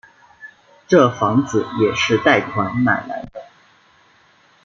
这房子也是贷款买来的